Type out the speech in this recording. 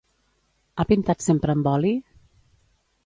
Ha pintat sempre amb oli?